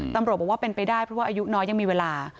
ตำรวจบอกว่าเป็นไปได้เพราะว่าอายุน้อยยังมีเวลา